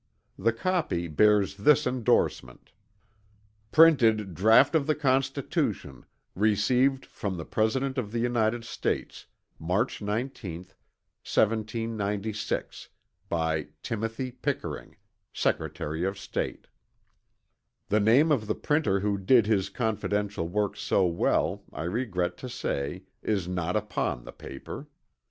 The copy bears this endorsement: "Printed Draught of the Constitution, received from the President of the United States, March 19th, 1796 by "TIMOTHY PICKERING "Sec'y of State" The name of the printer who did his confidential work so well, I regret to say, is not upon the paper.